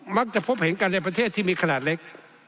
มักจะพบเห็นกันในประเทศที่มีขนาดเล็ก